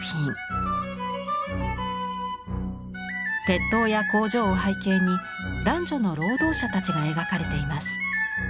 鉄塔や工場を背景に男女の労働者たちが描かれています。